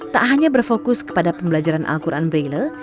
tak hanya berfokus kepada pembelajaran al quran braille